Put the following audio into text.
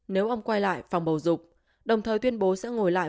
nếu ông quay lại phòng bầu dục đồng thời tuyên bố sẽ ngồi lại